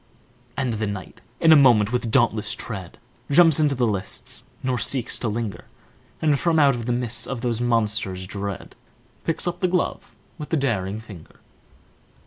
And the knight, in a moment, with dauntless tread, Jumps into the lists, nor seeks to linger, And, from out the midst of those monsters dread, Picks up the glove with a daring finger.